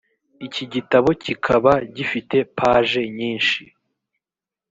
iki gitabo kikaba gifite paje nyishi.